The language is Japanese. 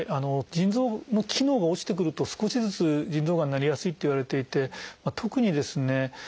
腎臓の機能が落ちてくると少しずつ腎臓がんになりやすいといわれていて特にですね